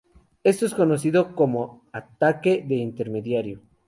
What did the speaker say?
Esto es conocido como "ataque de intermediario".